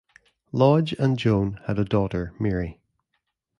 Lodge and Joan had a daughter Mary.